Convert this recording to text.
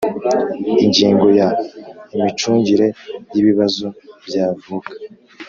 Ingingo ya Imicungire y ibibazo byavuka